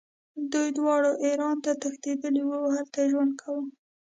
دوی دواړه ایران ته تښتېدلي وو او هلته یې ژوند کاوه.